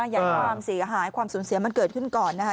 อยากให้ความเสียหายความสูญเสียมันเกิดขึ้นก่อนนะคะ